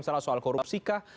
misalnya soal korupsi kah